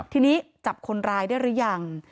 ทีนี้จับคนร้ายได้หรือยัง